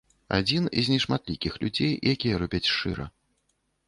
Адзін з нешматлікіх людзей, якія робяць шчыра.